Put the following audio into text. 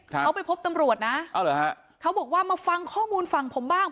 เขาไปพบตำรวจนะเอาเหรอฮะเขาบอกว่ามาฟังข้อมูลฝั่งผมบ้าง